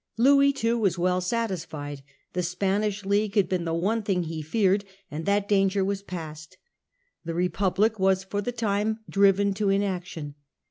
Louis, too, was well satisfied. The Spanish league had been the one thing he feared, and that danger was past. The Republic was for the time driven to inaction.